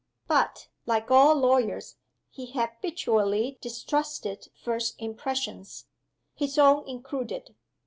But, like all lawyers, he habitually distrusted first impressions, his own included.